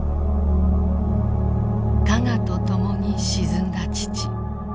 「加賀」とともに沈んだ父。